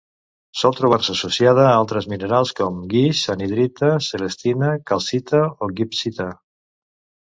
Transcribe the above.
Sol trobar-se associada a altres minerals com: guix, anhidrita, celestina, calcita o gibbsita.